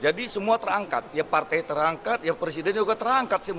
jadi semua terangkat ya partai terangkat ya presiden juga terangkat